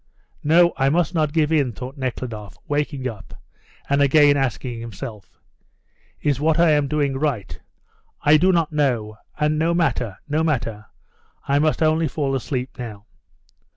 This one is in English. "No, I must not give in," thought Nekhludoff, waking up, and again asking himself, "Is what I am doing right? I do not know, and no matter, no matter, I must only fall asleep now."